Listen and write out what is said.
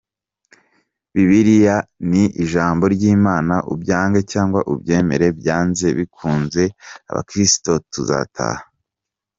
Bibiliya ni ijambo ry’Imana, ubyange cyangwa ubyemere byanze bikunze abakristo tuzataha.